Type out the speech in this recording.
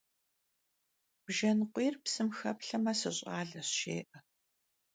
Bjjen khuiyr psım xeplheme, «sış'aleş» jjê'e.